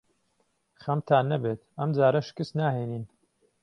خەمتان نەبێت. ئەم جارە شکست ناهێنین.